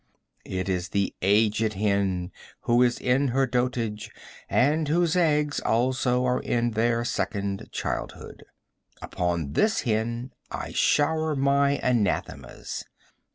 It is the aged hen, who is in her dotage, and whose eggs, also, are in their second childhood. Upon this hen I shower my anathemas.